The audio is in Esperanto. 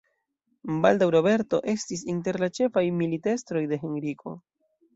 Baldaŭ Roberto estis inter la ĉefaj militestroj de Henriko.